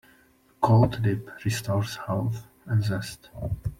A cold dip restores health and zest.